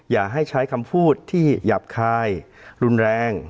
อย่าให้ใช้คำพูดที่หยาบคายรุนแรง